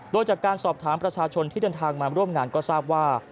โดยจากการสอบถามประชาชนที่เดินทางมาร่วมงานก็ทราบว่า